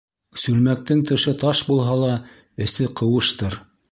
Сүлмәктең тышы таш булһа ла, эсе ҡыуыштыр.